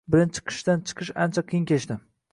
Birinchi qishdan chiqish ancha qiyin kechdi